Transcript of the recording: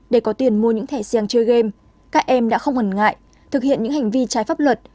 để có tiền mua những thẻ sing chơi game các em đã không hẳn ngại thực hiện những hành vi trái pháp luật